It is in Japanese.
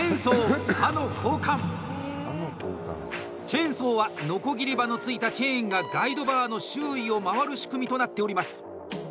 チェーンソーはノコギリ刃のついたチェーンがガイドバーの周囲を回る仕組みとなっております。